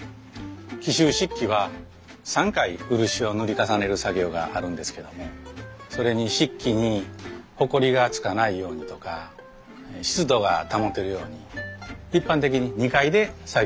紀州漆器は３回漆を塗り重ねる作業があるんですけどもそれに漆器にほこりがつかないようにとか湿度が保てるように一般的に２階で作業をしていたんです。